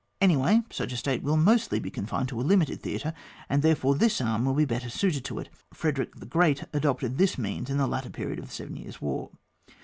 Any way, such a state will mostly be confined to a limited theatre, and therefore this arm will be better suited to it. Frederick the Great adopted this means in the later period of the Seven Years' War.